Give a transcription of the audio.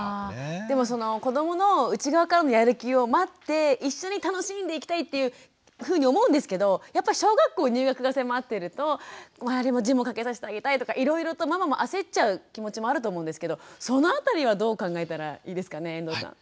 でもその子どもの内側からのやる気を待って一緒に楽しんでいきたいっていうふうに思うんですけどやっぱり小学校入学が迫ってると周りも字も書けさせてあげたいとかいろいろとママも焦っちゃう気持ちもあると思うんですけどその辺りはどう考えたらいいですかね遠藤さん。